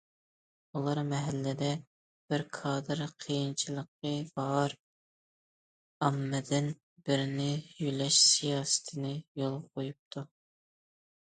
ئۇلار مەھەللىدە‹‹ بىر كادىر قىيىنچىلىقى بار ئاممىدىن بىرنى يۆلەش›› سىياسىتىنى يولغا قويۇپتۇ.